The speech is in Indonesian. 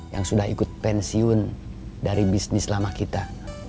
yang sudah ikut pensiun dari bisnis lama kita